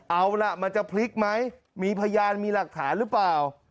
เอาล่ะมันจะพลิกไหมมีพยานมีหลักฐานหรือเปล่า